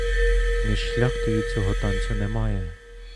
Між шляхтою цього танцю немає.